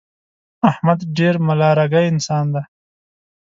احمد ډېر ملا رګی انسان دی.